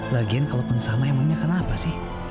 lagian kalau pun sama emangnya kenapa sih